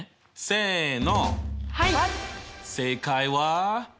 せの！